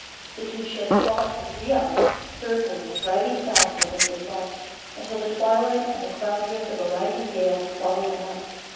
The two ships fought for three hours, circling and driving southward as they fought, until the twilight and the cloud drift of a rising gale swallowed them up.